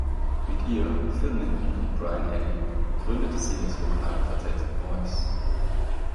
Mit ihr, Phil Minton und Brian Ely gründete sie das Vokalquartett "Voice".